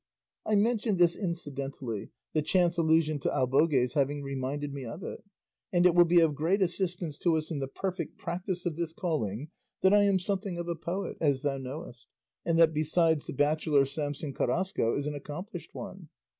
I mention this incidentally, the chance allusion to albogues having reminded me of it; and it will be of great assistance to us in the perfect practice of this calling that I am something of a poet, as thou knowest, and that besides the bachelor Samson Carrasco is an accomplished one.